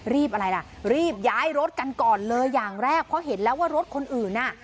อะไรล่ะรีบย้ายรถกันก่อนเลยอย่างแรกเพราะเห็นแล้วว่ารถคนอื่นอ่ะ